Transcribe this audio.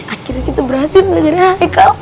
akhirnya kita berhasil belajar haiko